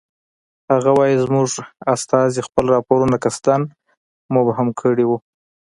هغه وایي زموږ استازي خپل راپورونه قصداً مبهم کړی وو.